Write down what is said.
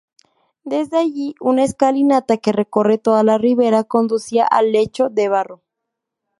Desde allí, una escalinata que recorre toda la ribera conducía al lecho de barro.